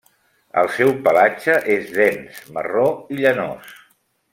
El seu pelatge és dens, marró i llanós.